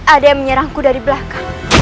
ada yang menyerangku dari belakang